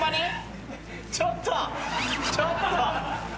ちょっとちょっと。